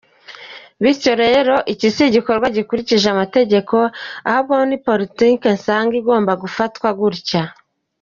Bityo rero iki si igikorwa gikurikije amategeko ahubwo ni politiki nsa igomba gufatwa gutyo.